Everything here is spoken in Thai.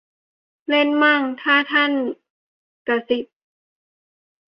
เล่นมั่ง : ถ้าท่านกษิต